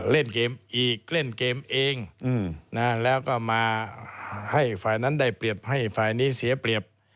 เล่นเกมอีกเล่นเกมเองแล้วก็มาให้ฝ่ายนั้นได้เปรียบให้ฝ่ายนี้เสียเปรียบ